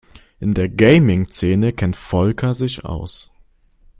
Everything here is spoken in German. In der Gaming-Szene kennt Volker sich aus.